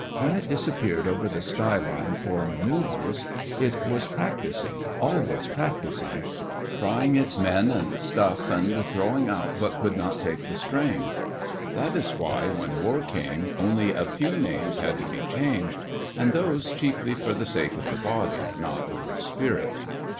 When it disappeared over the sky line for manoeuvres it was practising — always practising; trying its men and stuff and throwing out what could not take the strain. That is why, when war came, only a few names had to be changed, and those chiefly for the sake of the body, not of the spirit.